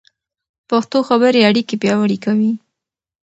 پښتو خبرې اړیکې پیاوړې کوي.